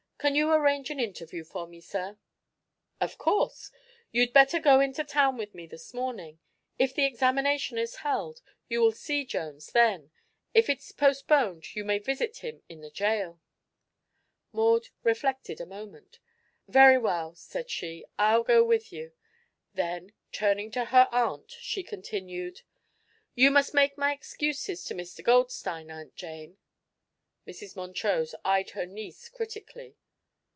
Can you arrange an interview for me, sir?" "Of course. You'd better go into town with me this morning. If the examination is held, you will see Jones then. If it's postponed, you may visit him in the jail." Maud reflected a moment. "Very well," said she, "I'll go with you." Then, turning to her aunt, she continued: "You must make my excuses to Mr. Goldstein, Aunt Jane." Mrs. Montrose eyed her niece critically.